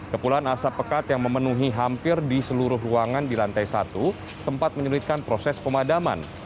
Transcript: kepulan asap pekat yang memenuhi hampir di seluruh ruangan di lantai satu sempat menyulitkan proses pemadaman